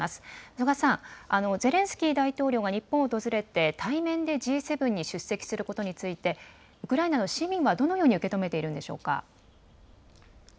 曽我さん、ゼレンスキー大統領が日本を訪れて、対面でＧ７に出席することについて、ウクライナの市民はどのように受け止めているんでしょうか。